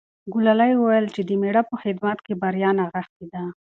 ګلالۍ وویل چې د مېړه په خدمت کې بریا نغښتې ده.